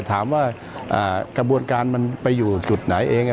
ถามว่ากระบวนการมันไปอยู่จุดไหนเอง